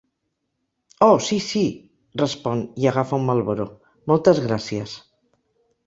Oh, sí, sí –respon, i agafa un Marlboro–, moltes gràcies.